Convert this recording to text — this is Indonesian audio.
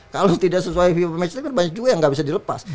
kalau tidak sesuai fifa match day kan banyak juga yang nggak bisa dilepas